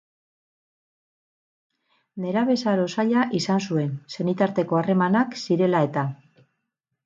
Nerabezaro zaila izan zuen, senitarteko harremanak zirela-eta.